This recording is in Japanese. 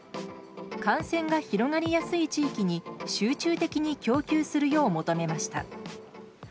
感染が広がりやすい地域に集中的に供給するよう求めました。